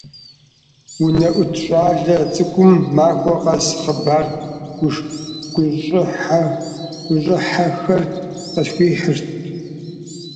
УнэӀут щӀалэ цӀыкӀум махуэ къэс хъыбар гущӀыхьэхэр къысхуихьырт.